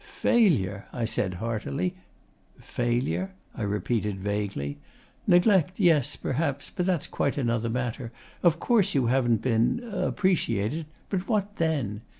'FAILURE?' I said heartily. 'Failure?' I repeated vaguely. 'Neglect yes, perhaps; but that's quite another matter. Of course you haven't been appreciated. But what then?